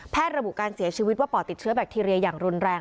ระบุการเสียชีวิตว่าปอดติดเชื้อแคทีเรียอย่างรุนแรง